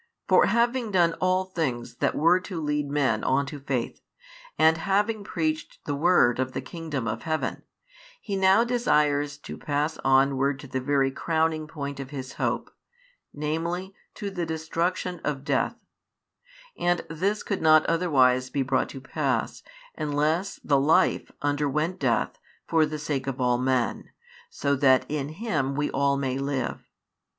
For having done all things that were to lead men on to faith, and having preached the word of the kingdom of heaven, He now desires to pass onward to the very crowning point of His hope, namely to the destruction of death: and this could not otherwise be brought to pass, unless the Life underwent death for the sake of all men, that so in Him we all may live.